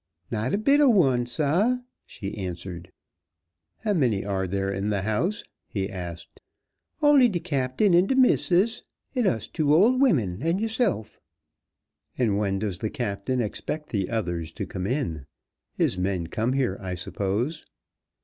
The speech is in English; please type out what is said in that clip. "Not a bit ob one, sah," she answered. "How many are there in the house?" he asked. "Only de captain and de missus, and us two old wimmin and yo'se'f." "And when does the captain expect the others to come in? His men come here, I suppose."